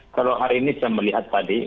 pada saat ini saya melihat tadi